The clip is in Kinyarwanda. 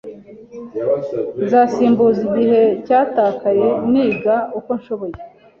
Nzasimbuza igihe cyatakaye niga uko nshoboye.